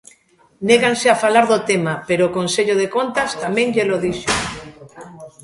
Néganse a falar do tema, pero o Consello de Contas tamén llelo dixo.